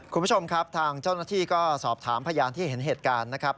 คุณผู้ชมครับทางเจ้าหน้าที่ก็สอบถามพยานที่เห็นเหตุการณ์นะครับ